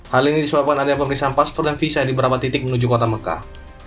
hal ini disebabkan adanya pemeriksaan paspor dan visa di beberapa titik menuju kota mekah